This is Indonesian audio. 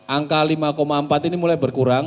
angka lima empat ini mulai berkurang